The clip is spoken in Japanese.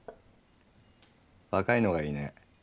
若いのがいいね。